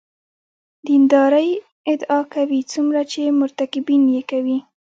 دیندارۍ ادعا کوي څومره چې مرتکبین یې کوي.